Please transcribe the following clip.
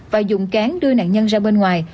và dùng cán đưa nạn nhân ra bên ngoài